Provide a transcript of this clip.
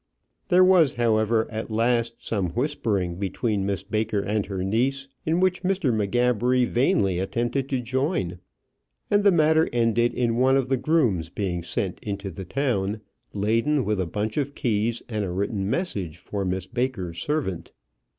There was, however, at last some whispering between Miss Baker and her niece, in which Mr. M'Gabbery vainly attempted to join, and the matter ended in one of the grooms being sent into the town, laden with a bunch of keys and a written message for Miss Baker's servant.